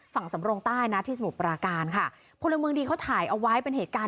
สำรงใต้นะที่สมุทรปราการค่ะพลเมืองดีเขาถ่ายเอาไว้เป็นเหตุการณ์